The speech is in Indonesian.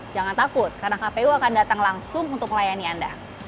jangan takut karena kpu akan datang langsung untuk melayani anda